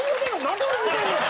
んで俺見てんねん！